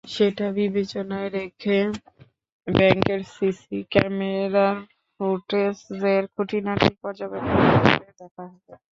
সেটা বিবেচনায় রেখে ব্যাংকের সিসি ক্যামেরার ফুটেজের খুঁটিনাটি পর্যবেক্ষণ করে দেখা হবে।